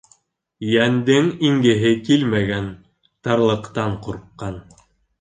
Йәндең ингеһе килмәгән, тарлыҡтан ҡурҡҡан.